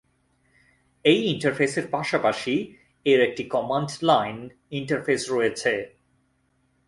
এই ইন্টারফেসের পাশাপাশি এর একটি কমান্ড লাইন ইন্টারফেস রয়েছে।